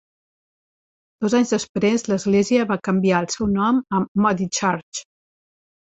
Dos anys després, l'església va canviar el seu nom a "Moody Church".